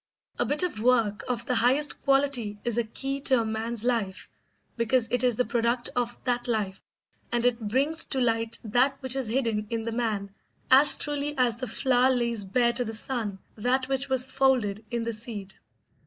A bit of work of the highest quality is a key to a man's life because it is the product of that life, and it brings to light that which is hidden in the man as truly as the flower lays bare to the sun that which was folded in the seed.